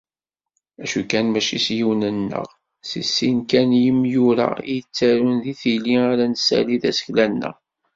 Acu kan mačči s yiwen neɣ s sin kan n yimyura i yettarun deg tili ara nessali tasekla-nneɣ.